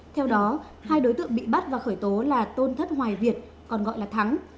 theo đó hai đối tượng bị bắt và khởi tố là tôn thất hoài việt còn gọi là thắng